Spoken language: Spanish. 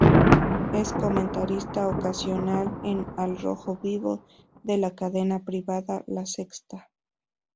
Es comentarista ocasional en "Al Rojo Vivo", en la cadena privada La Sexta.